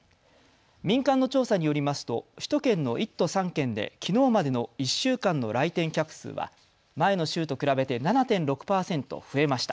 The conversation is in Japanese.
民間の調査によりますと首都圏の１都３県できのうまでの１週間の来店客数は前の週と比べて７．６％増えました。